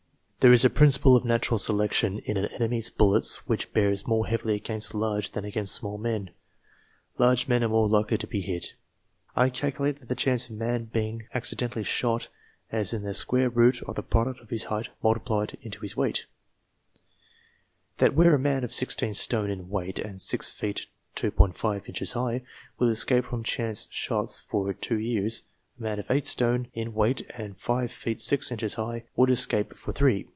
There is a principle of natural selection in an enemy's bullets which bears more heavily against large than against small men. Large men are more likely to be hit. I cal culate that the chance of a man being accidentally shot is as the square root of the product of his height multiplied COMMANDERS 137 into his weight ; 1 that where a man of 16 stone in weight, and 6 feet 2 \ inches high, will escape from chance shots for two years, a man of 8 stone in weight and 5 feet 6 inches high, would escape for three.